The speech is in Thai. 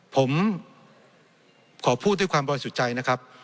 ผมขอพูดด้วยความบ่อยสุดใจนะครับ